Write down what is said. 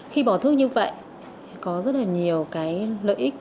khi bỏ thuốc như vậy có rất là nhiều cái lợi ích